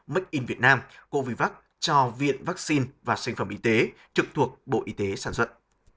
mất in việt nam covid một mươi chín cho viện vaccine và sinh phẩm y tế trực thuộc bộ y tế sản xuất